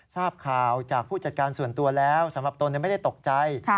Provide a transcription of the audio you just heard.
ทราบข่าวจากผู้จัดการส่วนตัวแล้วสำหรับตนไม่ได้ตกใจ